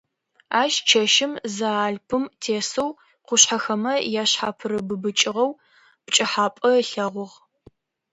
Ащ чэщым зы алпым тесэу къушъхьэхэмэ яшъхьапырыбыбыкӏыгъэу пкӏыхьапӏэ ылъэгъугъ.